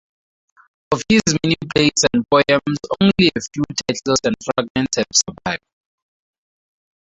Of his many plays and poems only a few titles and fragments have survived.